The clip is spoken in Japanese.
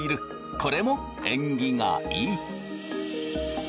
これも縁起がいい！